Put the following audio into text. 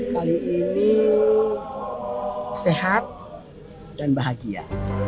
kali ini sehat dan bahagia